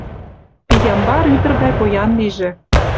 Пиямбар ӱдыр гай поян лийже.